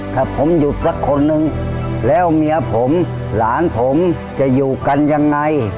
ถ้าผมหยุดสักคนนึงแล้วเมียผมหลานผมจะอยู่กันยังไง